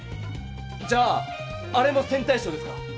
じゃああれも線対称ですか？